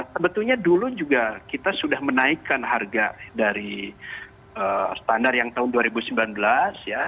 sebetulnya dulu juga kita sudah menaikkan harga dari standar yang tahun dua ribu sembilan belas ya